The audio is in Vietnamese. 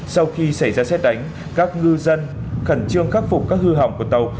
sau khi xảy ra xét đánh các ngư dân khẩn trương khắc phục các hư hỏng của tàu